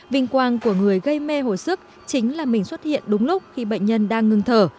vinh quang của người gây mê hồi sức chính là mình xuất hiện đúng lúc khi bệnh nhân đang ngừng thở